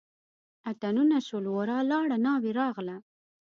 اتڼونه شول ورا لاړه ناوې راغله.